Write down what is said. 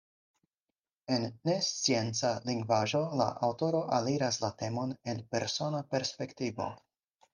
En nescienca lingvaĵo la aŭtoro aliras la temon el persona perspektivo.